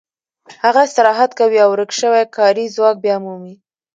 هغه استراحت کوي او ورک شوی کاري ځواک بیا مومي